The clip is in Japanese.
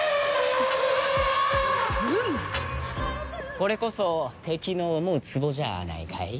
これこそ敵の思うつぼじゃあないかい？